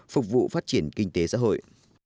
phục vụ phát triển kinh tế xã hội